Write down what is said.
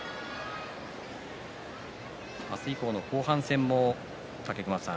明日以降の後半戦も武隈さん